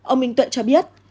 ông minh tuệ cho biết